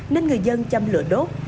nên người dân chăm lửa đốt